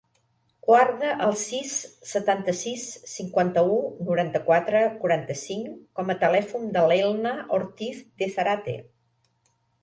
Guarda el sis, setanta-sis, cinquanta-u, noranta-quatre, quaranta-cinc com a telèfon de l'Elna Ortiz De Zarate.